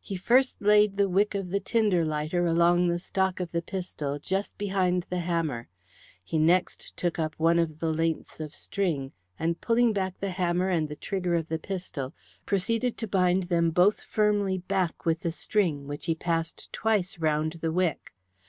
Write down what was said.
He first laid the wick of the tinder lighter along the stock of the pistol, just behind the hammer. He next took up one of the lengths of string, and pulling back the hammer and the trigger of the pistol, proceeded to bind them both firmly back with the string, which he passed twice round the wick.